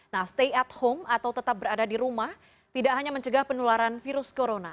nah stay at home atau tetap berada di rumah tidak hanya mencegah penularan virus corona